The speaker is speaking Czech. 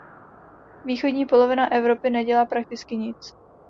Východní polovina Evropy nedělá prakticky nic.